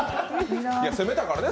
攻めたからね